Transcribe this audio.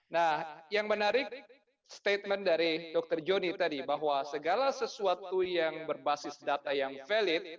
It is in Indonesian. nah yang menarik statement dari dr joni tadi bahwa segala sesuatu yang berbasis data yang valid